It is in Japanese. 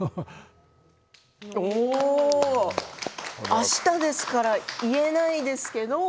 あしたですから言えないですけど。